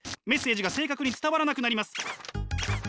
メッセージが正確に伝わらなくなります。